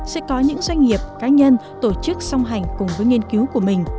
sẽ có những doanh nghiệp cá nhân tổ chức song hành cùng với nghiên cứu của mình